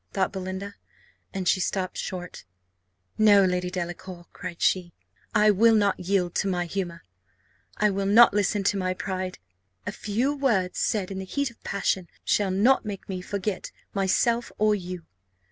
thought Belinda, and she stopped short. "No, Lady Delacour," cried she, "I will not yield to my humour I will not listen to my pride. A few words said in the heat of passion shall not make me forget myself or you.